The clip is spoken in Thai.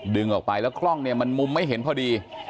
ออกไปแล้วกล้องเนี่ยมันมุมไม่เห็นพอดี